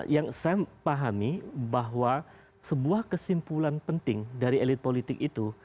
yang saya pahami bahwa sebuah kesimpulan penting dari elit politik itu